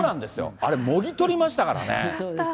あれ、もぎとりましたからね。